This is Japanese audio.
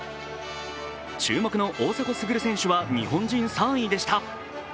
注目の大迫傑選手は日本人３位でした。